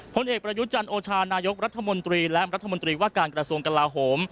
ผลเอกประยุจันทร์โอชานายกรัฐมนตรีและรัฐมนตรีว่าการกระทรวงกลาโหม